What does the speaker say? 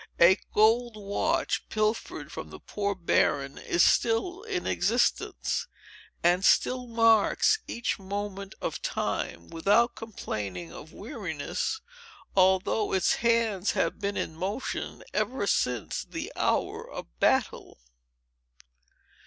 A gold watch, pilfered from the poor Baron, is still in existence, and still marks each moment of time, without complaining of weariness, although its hands have been in motion ever since the hour of battle.